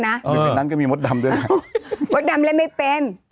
หนึ่งในนั้นก็มีมดดำด้วยนะมดดำเล่นไม่เป็น